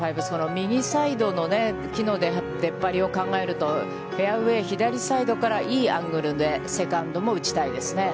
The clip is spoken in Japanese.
右サイドの木の出っ張りを考えると、フェアウェイ左サイドからいいアングルで、セカンドも打ちたいですね。